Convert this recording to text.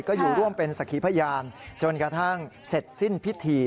ก็อยู่ร่วมเป็นสักขีพยานจนกระทั่งเสร็จสิ้นพิธี